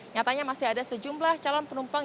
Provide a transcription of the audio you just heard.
nyatanya masih ada sejumlah calon penumpang